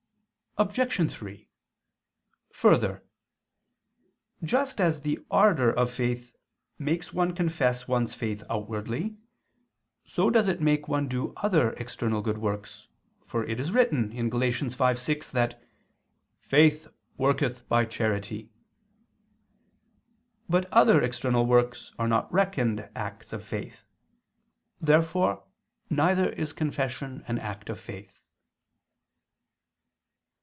Obj. 3: Further, just as the ardor of faith makes one confess one's faith outwardly, so does it make one do other external good works, for it is written (Gal. 5:6) that "faith ... worketh by charity." But other external works are not reckoned acts of faith. Therefore neither is confession an act of faith.